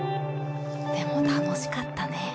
でも楽しかったね。